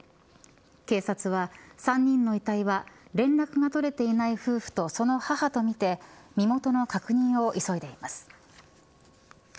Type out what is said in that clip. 警察は３人の遺体が連絡が取れていない夫婦とその母とみて身元の確認を急いでいます。